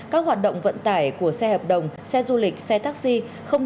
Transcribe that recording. các hoạt động vận tải của xe hợp đồng